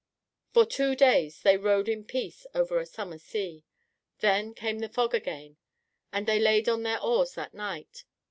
For two days they rowed in peace over a summer sea; then came the fog again and they laid on their oars that night.